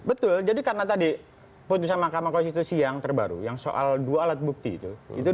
betul jadi karena tadi putusan mahkamah konstitusi yang terbaru yang soal dua alat bukti itu